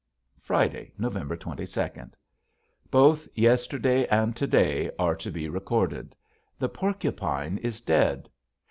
Friday, November twenty second. Both yesterday and to day are to be recorded. The porcupine is dead!